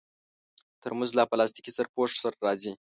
ترموز له پلاستيکي سرپوښ سره راځي.